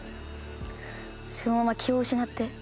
そのまま気を失って。